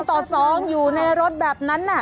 ต่อสองอยู่ในรถแบบนั้นอะ